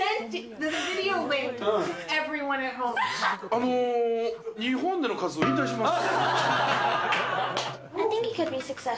あのー、日本での活動、引退します。